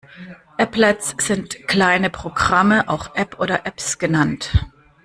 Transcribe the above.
Applets sind kleine Programme, auch App oder Apps genannt.